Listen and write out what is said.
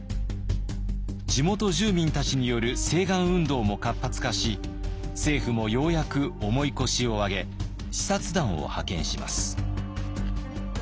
地元住民たちによる請願運動も活発化し政府もようやく重い腰を上げ視察団を派遣します。